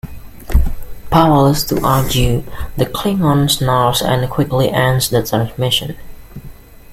Powerless to argue, the Klingon snarls and quickly ends the transmission.